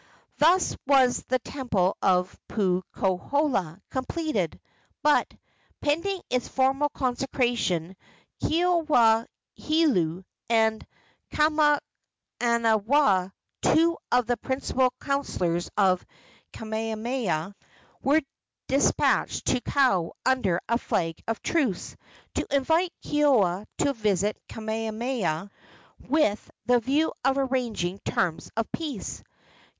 Thus was the temple of Puukohola completed, but, pending its formal consecration, Keawe a Heulu and Kamanawa, two of the principal counselors of Kamehameha, were despatched to Kau under a flag of truce, to invite Keoua to visit Kamehameha, with the view of arranging terms of peace.